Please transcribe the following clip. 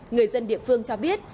người dân địa phương cho biết